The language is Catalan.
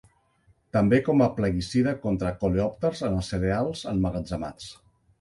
També com plaguicida contra coleòpters en els cereals emmagatzemats.